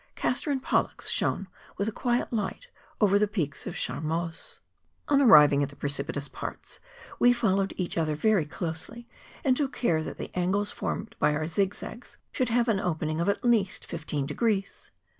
Castor and Pollux shone with a quiet light over the peaks of Charmoz. On arriving at the precipitous parts, we followed 1K(».\I I'HK ISKKVKN'I'. $• t MONT BLANC. 27 each ether very closely, and took care that the angles formed by our zig zags should have an opening of at least fifteen degrees.